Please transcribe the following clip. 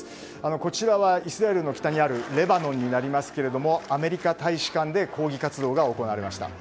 こちらはイスラエルの北にあるレバノンになりますけどもアメリカ大使館で抗議活動が行われました。